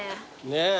ねえ。